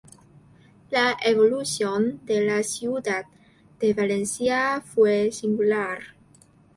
La evolución de la ciudad de Valencia fue singular.